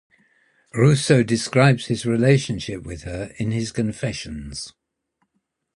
Rousseau describes his relationship with her in his Confessions.